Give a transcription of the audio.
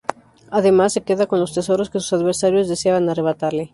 Además, se queda con los tesoros que sus adversarios deseaban arrebatarle.